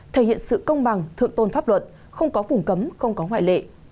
thể hiện sự công bằng thượng tôn pháp luật không có phủng cấm không có ngoại lệ